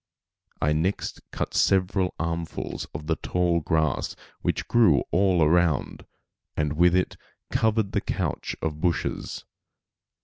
I next cut several armfuls of the tall grass which grew all around and with it covered the couch of bushes.